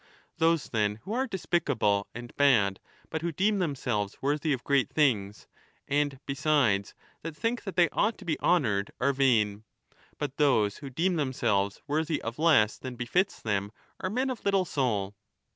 Those, then, who are despicable and bad, but who deem themselves worthy of great things, and besides 3° that think that they ought to be honoured, are vain. But those who deem themselves worthy of less than befits them are men of little soul.